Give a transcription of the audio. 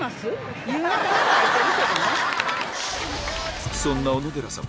そんな小野寺さん